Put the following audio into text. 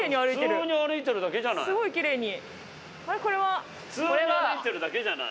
普通に歩いてるだけじゃない。